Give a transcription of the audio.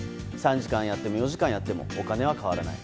３時間やっても４時間やってもお金は変わらない。